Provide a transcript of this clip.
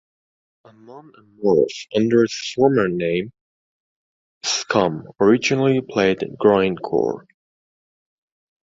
Amon Amarth, under its former name Scum, originally played grindcore.